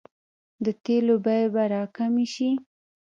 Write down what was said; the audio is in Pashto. د تیلو بیې به راکمې شي؟